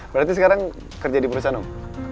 berarti sekarang kerja di perusahaan om